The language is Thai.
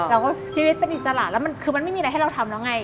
แล้วก็ชีวิตเป็นอิจฉลาดแล้วมันคือไม่มีอะไรให้เราทำแล้วไง